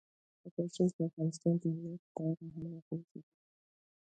غوښې د افغانستان د امنیت په اړه هم اغېز لري.